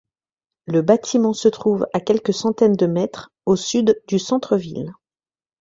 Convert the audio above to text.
Le bâtiment se trouve à quelques centaines de mètres au sud du centre-ville.